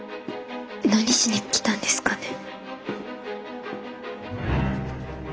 何しに来たんですかね？